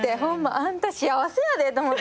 あんた幸せやでと思って。